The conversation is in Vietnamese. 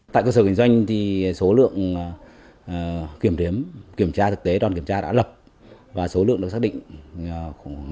tại cơ sở kinh doanh thì số lượng kiểm đếm kiểm tra thực tế đoàn kiểm tra đã lập và số lượng được xác định khoảng năm trăm linh thùng